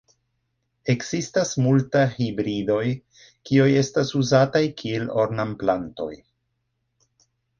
Ekzistas multaj hibridoj, kiuj estas uzataj kiel ornamplantoj.